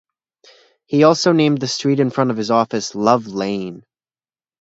He also named the street in front of his office "Love lane".